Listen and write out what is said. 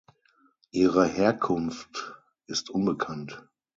Ihre Herkunft ist unbekannt.